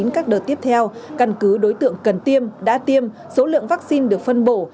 các đợt tiếp theo căn cứ đối tượng cần tiêm đã tiêm số lượng vaccine được phân bổ